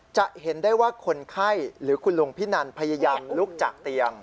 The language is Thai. จะเห็นได้ว่าคนไข้หรือคุณลุงพินันพยายามลุกจากเตียง